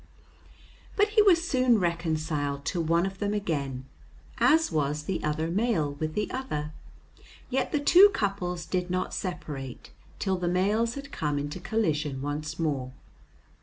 But he was soon reconciled to one of them again, as was the other male with the other, yet the two couples did not separate till the males had come into collision once more.